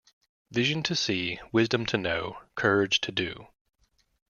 Vision to see, wisdom to know, courage to do.